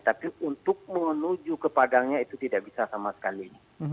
tapi untuk menuju ke padangnya itu tidak bisa sama sekali